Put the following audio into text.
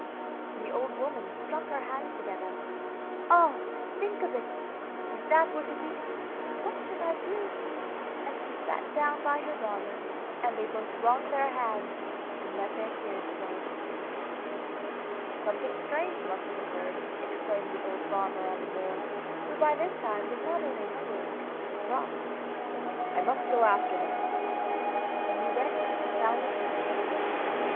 The old woman struck her hands together: 'Ah, to think of it! if that were to be, what should I do?' and she sat down by her daughter, and they both wrung their hands and let their tears flow. 'Something strange must have occurred,' exclaimed the old farmer on the moor, who by this time was not only hungry, but cross. 'I must go after them.' And he went and found them in the stable.